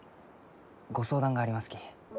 ご相談がありますき。